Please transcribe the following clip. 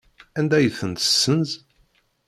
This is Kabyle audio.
Anda ay ten-tessenz?